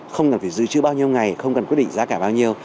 không cần phải dự trữ bao nhiêu ngày không cần quyết định giá cả bao nhiêu